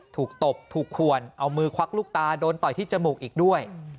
ตบถูกขวนเอามือควักลูกตาโดนต่อยที่จมูกอีกด้วย